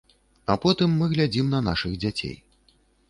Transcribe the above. А потым мы глядзім на нашых дзяцей.